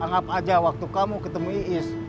anggap aja waktu kamu ketemu iis